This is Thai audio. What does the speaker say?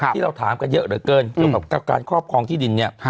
ที่เราถามกันเยอะเหลือเกินเกี่ยวกับการครอบครองที่ดินเนี่ย